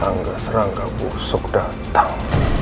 rangga rangga busuk datang